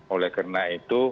oleh karena itu